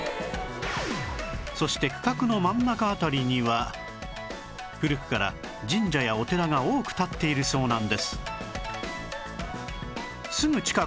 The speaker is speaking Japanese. そして区画の真ん中辺りには古くから神社やお寺が多く立っているそうなんです